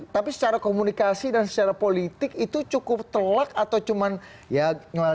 tapi secara komunikasi dan secara politik itu cukup telak atau cuma ya